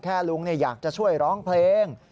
ลุงอยากจะช่วยร้องเพลง